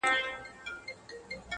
په سل ځله دي غاړي ته لونگ در اچوم.